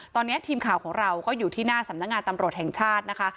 ตอนนี้ทีมข่าวของเราก็อยู่ที่หน้าสำนักงานตำรวจแห่งชาตินะคะ